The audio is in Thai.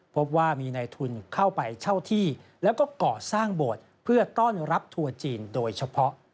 พบว่ามีในทุนเข้าไปเช่าที่แล้วก็ก่อสร้างโบสถ์เพื่อต้อนรับทัวร์จีนโดยเฉพาะ